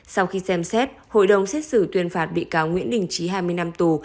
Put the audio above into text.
sau khi xem xét hội đồng xét xử tuyên phạt bị cáo nguyễn đình trí hai mươi năm tù